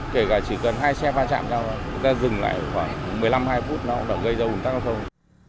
kể cả chỉ cần hai xe pha chạm ra người ta dừng lại khoảng một mươi năm hai mươi phút nó gây ra ủn tắc giao thông